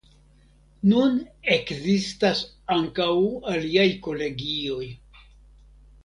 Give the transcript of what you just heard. Nun ekzistas ankaŭ aliaj kolegioj.